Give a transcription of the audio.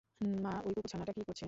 মা, ওই কুকুরছানাটা কী করছে?